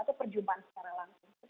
atau perjumpaan secara langsung